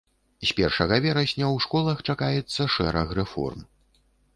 З першага верасня ў школах чакаецца шэраг рэформ.